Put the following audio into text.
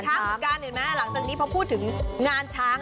เห็นไหมหลังจากนี้พอพูดถึงงานช้าง